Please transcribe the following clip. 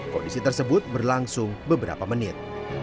kondisi tersebut berlangsung beberapa menit